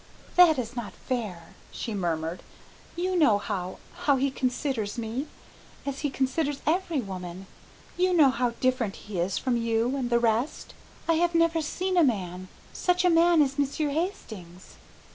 "That is not fair," she murmured; "you know how how he considers me, as he considers every woman. You know how different he is from you and the rest. I have never seen a man, such a man as Monsieur Hastings."